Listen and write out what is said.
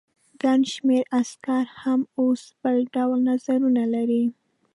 ګڼ شمېر عسکر هم اوس بل ډول نظرونه لري.